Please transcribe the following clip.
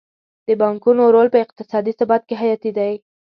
د بانکونو رول په اقتصادي ثبات کې حیاتي دی.